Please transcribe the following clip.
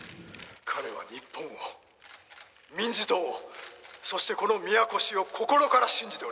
「彼は日本を民自党をそしてこの宮越を心から信じておりました」